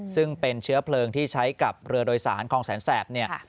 ซึ่งเป็นเชื้อเพลิงที่ใช้กับเรือโดยสารคลองแสนแสบเนี่ย